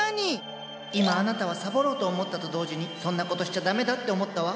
今あなたはサボろうと思ったと同時にそんなことしちゃダメだって思ったわ。